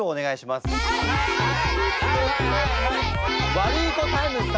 ワルイコタイムス様。